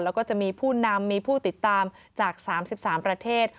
แล้วก็จะมีผู้นำมีผู้ติดตามจาก๓๓ประเทศ